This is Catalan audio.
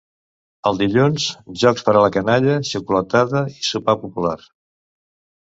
El dilluns, jocs per a la canalla, xocolatada i sopar popular.